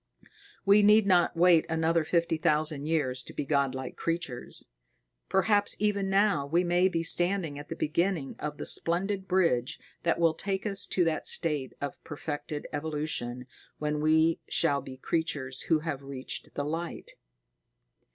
We need not wait another fifty thousand years to be godlike creatures. Perhaps even now we may be standing at the beginning of the splendid bridge that will take us to that state of perfected evolution when we shall be Creatures who have reached the Light.